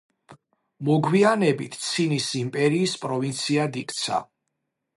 მოგვიანებით ცინის იმპერიის პროვინციად იქცა.